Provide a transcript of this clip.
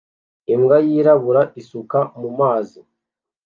Imbwa yirabura isuka mu mazi